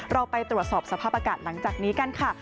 เราไปตรวจสอบสภาพอากาศหลังจากนี้กันค่ะ